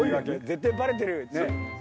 絶対バレてるよね。